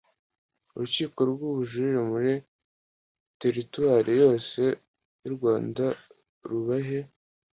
urukiko rw ubujurire muri teritwari yose y u rwanda rubahe